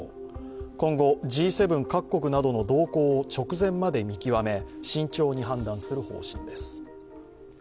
今後Ｇ７各国などの動向を直前まで見極め、慎重に判断する方針です。